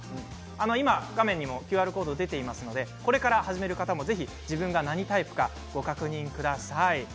今、画面にもＱＲコード出ていますのでこれから始める方も自分が何タイプかぜひご確認ください。